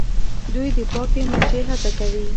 دوی د پاکې انرژۍ هڅه کوي.